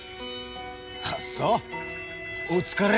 あっそうお疲れ。